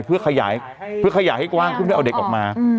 เพื่อขยายให้กว้างเพื่อเอาเด็กออกมา